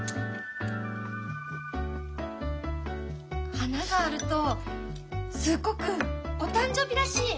花があるとすっごくお誕生日らしい。